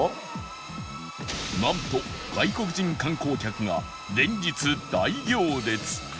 なんと外国人観光客が連日大行列！